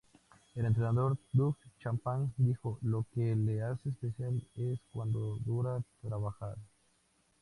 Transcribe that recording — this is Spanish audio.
El entrenador Doug Chapman dijo, "Lo que la hace especial es cuan duro trabaja.